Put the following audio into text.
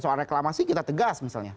soal reklamasi kita tegas misalnya